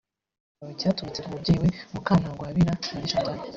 igitekerezo cyawo cyaturutse ku mubyeyi we Mukantagwabira M Chantal